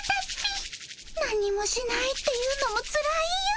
なんにもしないっていうのもつらいよ。